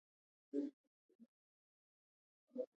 لوگر د افغانانو د ګټورتیا برخه ده.